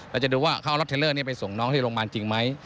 จะดูว่าเขาเอารถเทลเลอร์นี้ไปส่งน้องที่โรงพยาบาลจริงไหม